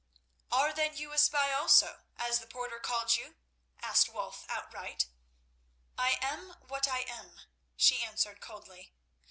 "Are then you a spy also, as the porter called you?" asked Wulf outright. "I am what I am," she answered coldly.